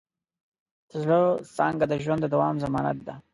د زړۀ څانګه د ژوند د دوام ضمانت ده.